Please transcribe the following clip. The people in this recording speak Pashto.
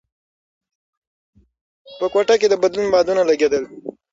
په کوټه کې د بدلون بادونه لګېدل.